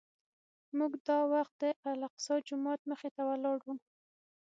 موږ دا وخت د الاقصی جومات مخې ته ولاړ وو.